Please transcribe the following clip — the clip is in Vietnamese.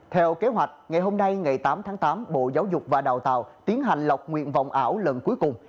theo kế hoạch ngày hôm nay ngày tám tháng tám bộ giáo dục và đào tạo tiến hành lọc nguyện vọng ảo lần cuối cùng